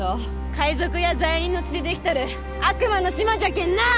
海賊や罪人の血でできとる悪魔の島じゃけんなぁ！